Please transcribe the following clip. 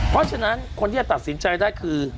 เพราะฉะนั้นคนที่จะตัดสินใจได้คือ